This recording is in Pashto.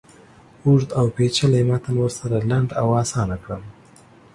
اوږد اوپیچلی متن ورسره لنډ او آسانه کړم.